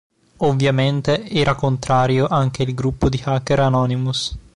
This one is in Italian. Ovviamente era contrario anche il gruppo di hacker Anonymous.